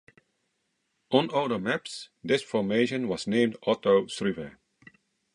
On older maps this formation was named Otto Struve.